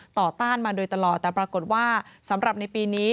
ต้านมาโดยตลอดแต่ปรากฏว่าสำหรับในปีนี้